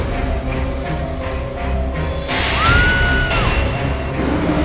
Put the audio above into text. di balik dinding ini